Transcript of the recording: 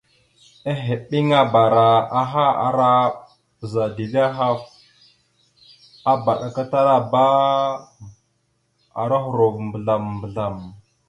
Ehebeŋabara aha ara bəza dezl ahaf, abaɗakatalara ohərov mbəzlam- mbəzlam.